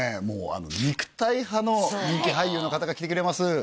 もうあの肉体派の人気俳優の方が来てくれます